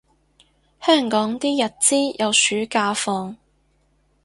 香港啲日資有暑假放